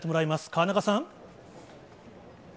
河中さん。